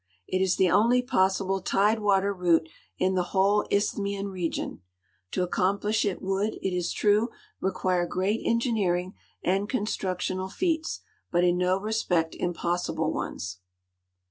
It is the only ])ossil)le tide water route in the whole isthmian region. To accom])lisli it would, it is true, require great engi neering and constructional feats, but in no respect impossilde ones.